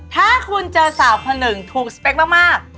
ถ้าคุณเจอสาวคนหนึ่งถูกสเปคมาก